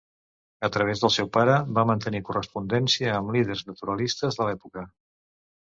A través del seu pare, va mantenir correspondència amb líders naturalistes de l'època.